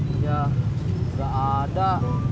iya gak ada